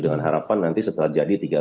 dengan harapan nanti setelah jadi tiga